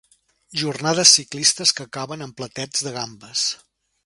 Jornades ciclistes que acaben amb platets de gambes.